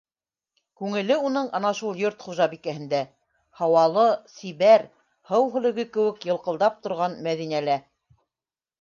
Күңеле уның ана шул йорт хужабикәһендә - һауалы, сибәр, һыу һөлөгө кеүек йылҡылдап торған Мәҙинәлә.